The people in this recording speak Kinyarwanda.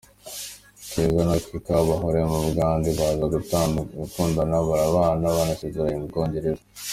Keza na Kikaawa bahuriye mu Bugande baza gukundana baranabana badasezeranye mu Bwongereza.